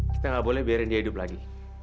kita gak boleh biarin dia hidup lagi